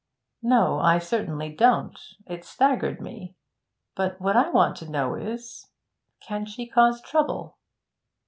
'No, I certainly don't. It staggered me. But what I want to know is, can she cause trouble?'